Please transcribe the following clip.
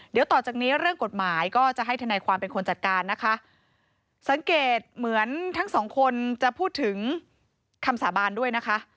เดี๋ยวต่อจากนี้เรื่องกฎหมายก็จะให้ทนายความเป็นคนจัดการนะคะสังเกตเหมือนทั้งสองคนจะพูดถึงคำสาบานด้วยนะคะ